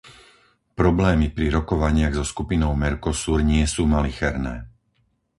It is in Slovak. Problémy pri rokovaniach so skupinou Mercosur nie sú malicherné.